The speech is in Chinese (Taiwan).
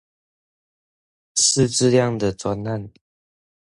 識字量的專案